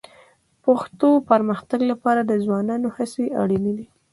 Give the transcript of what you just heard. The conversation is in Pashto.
پښتو پرمختګ لپاره د ځوانانو هڅې اړیني دي